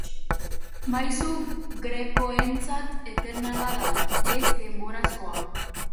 Maisu grekoentzat eternala da, ez denborazkoa.